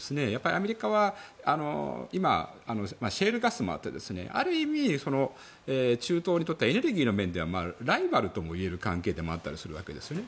アメリカはシェールガスもあってある意味中東にとってはエネルギーの面ではライバルともいえる関係であったりもするわけですよね。